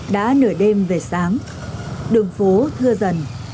đã nửa đêm về sáng đường phố thưa dần